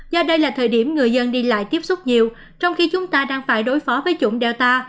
do đây là thời điểm người dân đi lại tiếp xúc nhiều trong khi chúng ta đang phải đối phó với chủng delta